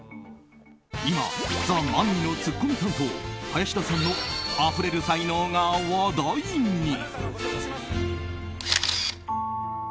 今、ザ・マミィのツッコミ担当林田さんのあふれる才能が話題に。